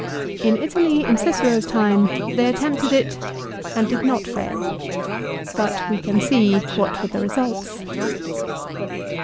In Italy, in Cicero's time, they attempted it and did not fail. But we can see what were the results.